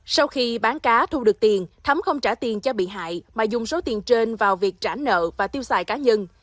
sau khi bán cá thu được tiền thấm không trả tiền cho bị hại mà dùng số tiền trên vào việc trả nợ và tiêu xài cá nhân